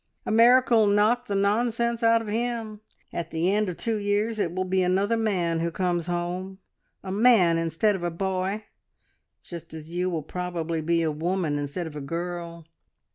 America'll knock the nonsense out of him. At the end of two years, it will be another man who comes home, a man instead of a boy, just as you will probably be a woman instead of a girl.